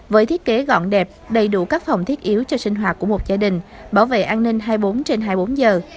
với thiết kế gọn đẹp đầy đủ các phòng thiết yếu cho sinh hoạt của một gia đình bảo vệ an ninh hai mươi bốn trên hai mươi bốn giờ